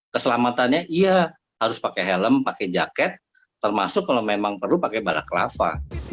keselamatannya iya harus pakai helm pakai jaket termasuk kalau memang perlu pakai bala kelapa